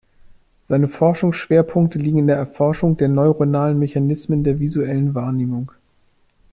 Seine Forschungsschwerpunkte liegen in der Erforschung der neuronalen Mechanismen der visuellen Wahrnehmung.